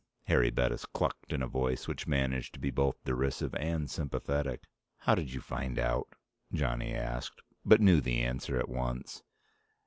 Harry Bettis clucked in a voice which managed to be both derisive and sympathetic. "How did you find out?" Johnny asked, but knew the answer at once.